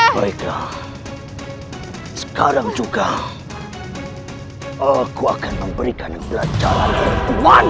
mereka sekarang juga aku akan memberikan pelajaran perempuan